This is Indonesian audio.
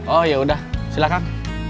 oh yaudah silahkan